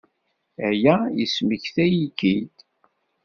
Aya yesmektay-iyi-k-id.